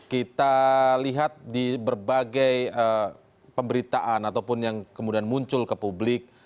kita lihat di berbagai pemberitaan ataupun yang kemudian muncul ke publik